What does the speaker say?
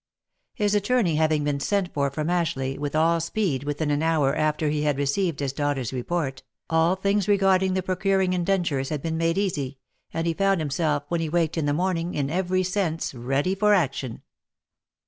His attorney having been sent for from Ashleigh with all speed within an hour after he had received his daughter's report, all things regarding the procuring in dentures had been made easy, and he found himself when he waked in the morning, in every sense ready for action.